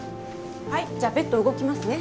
はいじゃあベッド動きますね